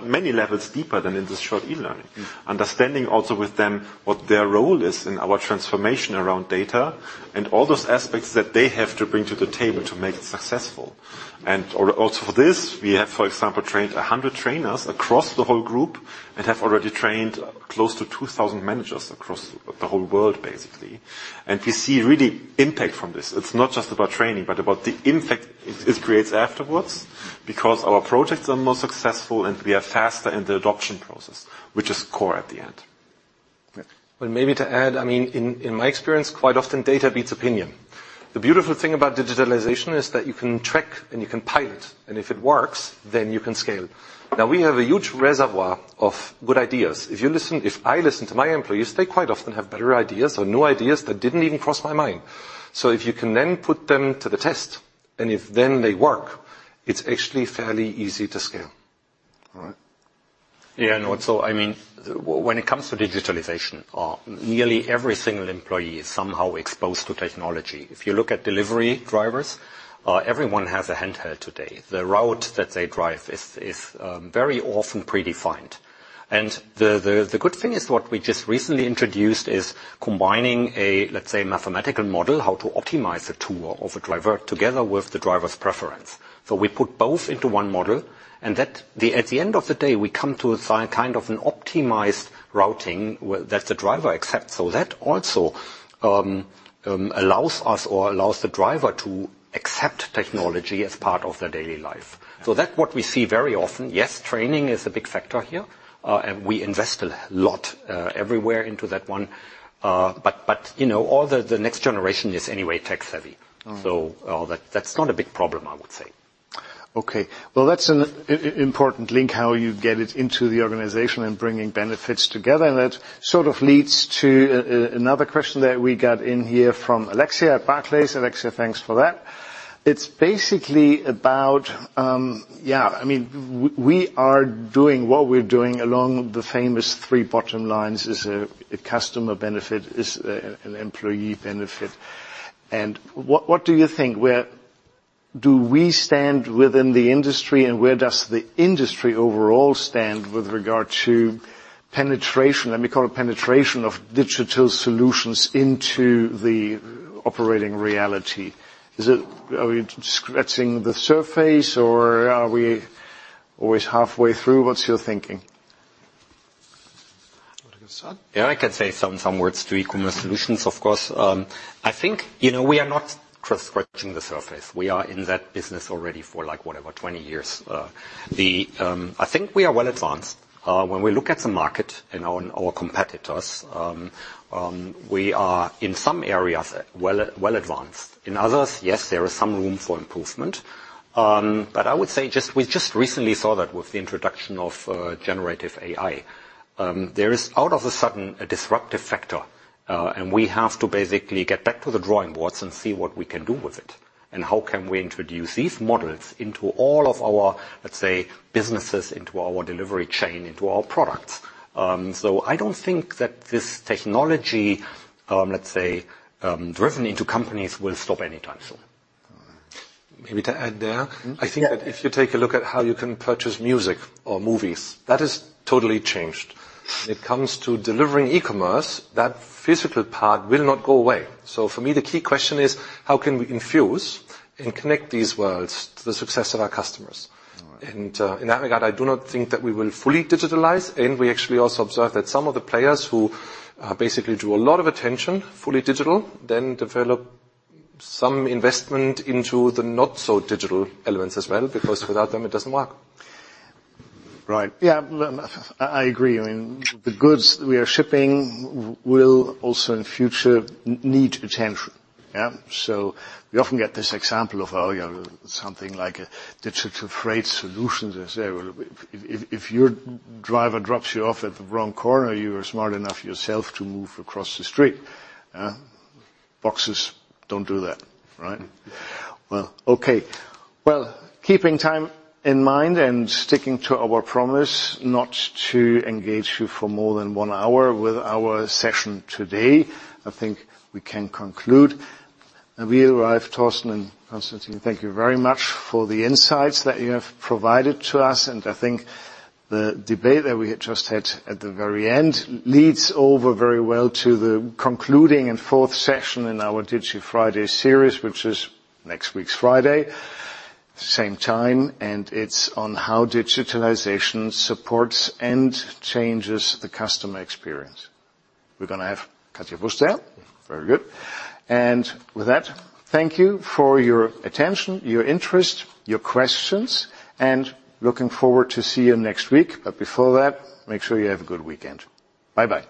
many levels deeper than in this short e-learning. Mm. Understanding also with them what their role is in our transformation around data and all those aspects that they have to bring to the table to make it successful. Also for this, we have, for example, trained 100 trainers across the whole group and have already trained close to 2,000 managers across the whole world, basically. We see really impact from this. It's not just about training, but about the impact it creates afterwards, because our projects are more successful, and we are faster in the adoption process, which is core at the end. Well, maybe to add, I mean, in my experience, quite often, data beats opinion. The beautiful thing about digitalization is that you can track and you can pilot, and if it works, then you can scale. We have a huge reservoir of good ideas. If I listen to my employees, they quite often have better ideas or new ideas that didn't even cross my mind. If you can then put them to the test, and if then they work, it's actually fairly easy to scale. All right? Yeah, I mean, when it comes to digitalization, nearly every single employee is somehow exposed to technology. If you look at delivery drivers, everyone has a handheld today. The route that they drive is very often predefined. The good thing is what we just recently introduced is combining a, let's say, mathematical model, how to optimize a tour of a driver together with the driver's preference. We put both into one model. At the end of the day, we come to a kind of an optimized routing that the driver accepts. That also allows us or allows the driver to accept technology as part of their daily life. That's what we see very often. Yes, training is a big factor here. We invest a lot everywhere into that one. You know, all the next generation is anyway tech-savvy. Mm. That's not a big problem, I would say. Okay. Well, that's an important link, how you get it into the organization and bringing benefits together, and that sort of leads to another question that we got in here from Alexia at Barclays. Alexia, thanks for that. It's basically about, yeah, I mean, we are doing what we're doing along the famous three bottom lines: is a customer benefit, is an employee benefit. What do you think, where do we stand within the industry, and where does the industry overall stand with regard to penetration? Let me call it penetration of digital solutions into the operating reality. Are we scratching the surface, or are we always halfway through? What's your thinking? You want to get started? Yeah, I can say some words to eCommerce Solutions, of course. I think, you know, we are not just scratching the surface. We are in that business already for, like, whatever, 20 years. I think we are well advanced. When we look at the market and our competitors, we are, in some areas, well advanced. In others, yes, there is some room for improvement. I would say we just recently saw that with the introduction of generative AI. There is, out of a sudden, a disruptive factor, and we have to basically get back to the drawing boards and see what we can do with it, and how can we introduce these models into all of our, let's say, businesses, into our delivery chain, into our products. I don't think that this technology, let's say, driven into companies, will stop anytime soon. Maybe to add there- Mm-hmm. I think that if you take a look at how you can purchase music or movies, that has totally changed. When it comes to delivering e-commerce, that physical part will not go away. For me, the key question is: How can we infuse and connect these worlds to the success of our customers? All right. In that regard, I do not think that we will fully digitalize, and we actually also observe that some of the players who basically drew a lot of attention, fully digital, then develop some investment into the not so digital elements as well, because without them, it doesn't work. Right. Yeah, I agree. I mean, the goods we are shipping will also in future need attention. Yeah? We often get this example of, you know, something like a digital freight solutions and say, "Well, if your driver drops you off at the wrong corner, you are smart enough yourself to move across the street." Boxes don't do that, right? Well, okay. Well, keeping time in mind and sticking to our promise not to engage you for more than 1 hour with our session today, I think we can conclude. We arrive, Thorsten and Konstantin, thank you very much for the insights that you have provided to us, and I think the debate that we had just had at the very end leads over very well to the concluding and fourth session in our Digi Friday series, which is next week's Friday, same time, and it's on how digitalization supports and changes the customer experience. We're gonna have Katja Busch. Very good. With that, thank you for your attention, your interest, your questions, and looking forward to see you next week. Before that, make sure you have a good weekend. Bye-bye!